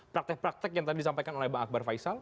praktek praktek yang tadi disampaikan oleh bang akbar faisal